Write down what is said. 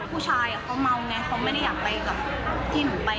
ผู้ชายเขาเมาไงเขาไม่ได้อยากไปกับที่หนูไป